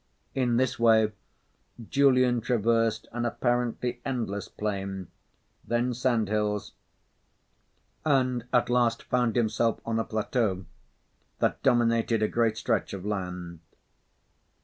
In this way Julian traversed an apparently endless plain, then sand hills, and at last found himself on a plateau that dominated a great stretch of land.